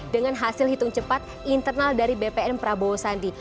dengan hasil hitung cepat internal dari bpn prabowo sandi